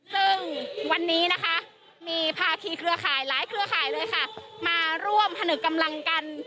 ซึ่งวันนี้นะคะมีภาคีเครือข่ายหลายเครือข่ายเลยค่ะมาร่วมผนึกกำลังกัน